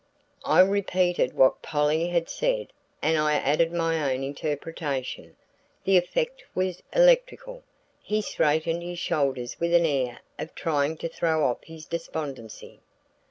I repeated what Polly had said and I added my own interpretation. The effect was electrical. He straightened his shoulders with an air of trying to throw off his despondency.